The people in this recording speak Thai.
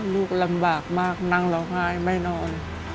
ลูกลำบากมากนั่งร้องไห้ไม่นอน